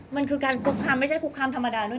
มันคือการคุกคามไม่ใช่คุกคามธรรมดาด้วย